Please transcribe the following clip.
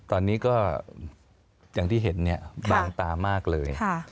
ตอนนี้ก็อย่างที่เห็นเนี่ยบางตามากเลย